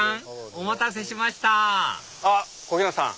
お待たせしましたあっ小日向さん！